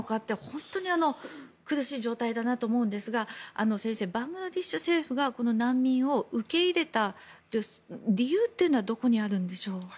本当に苦しい状態だと思いますが先生、バングラデシュ政府が難民を受け入れた理由っていうのはどこにあるんでしょう。